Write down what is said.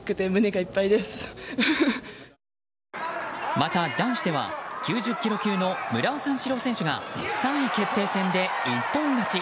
また、男子では９０ｋｇ級の村尾三四郎選手が３位決定戦で一本勝ち。